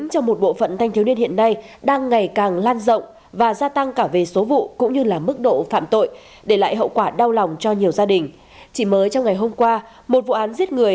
cảm ơn các bạn đã theo dõi